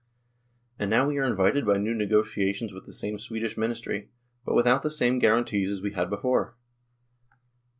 And now we are invited to new negotiations with the same Swedish ministry, 1 but without the same guarantees as we had before.